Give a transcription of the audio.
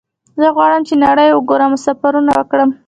زه غواړم چې نړۍ وګورم او سفرونه وکړم